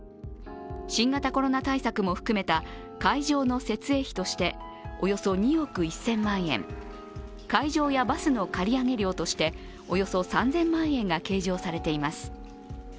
新型コロナ対策も含めた会場の設営費としておよそ２億１０００万円、会場やバスの借り上げ料としておよそ３０００万円が計上されています。